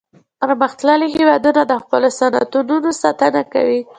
پرمختللي هیوادونه د خپلو صنعتونو ساتنه کوي